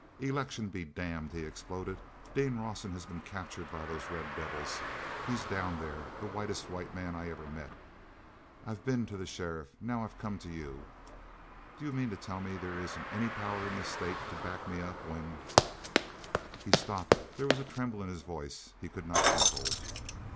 "Election be dammed!" he exploded. "Dean Rawson has been captured by those red devils—he's down there, the whitest white man I ever met! I've been to the sheriff; now I've come to you! Do you mean to tell me there isn't any power in this state to back me up when—" He stopped. There was a tremble in his voice he could not control.